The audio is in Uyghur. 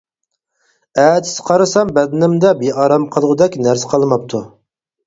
ئەتىسى قارىسام بەدىنىمدە بىئارام قىلغۇدەك نەرسە قالماپتۇ.